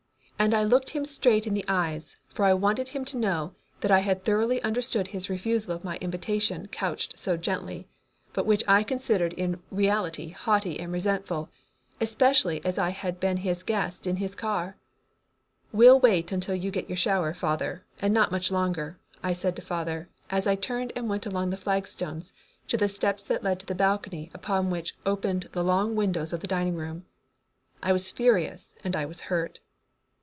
And I looked him straight in the eyes, for I wanted him to know that I had thoroughly understood his refusal of my invitation couched so gently, but which I considered in reality haughty and resentful, especially as I had been his guest in his car. "We'll wait until you get your shower, father, and not much longer," I said to father, as I turned and went along the flagstones to the steps that led to the balcony upon which opened the long windows of the dining room. I was furious and I was hurt.